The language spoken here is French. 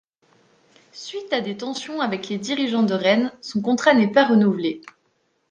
Suite à des tensions avec les dirigeants de Rennes, son contrat n'est pas renouvelé.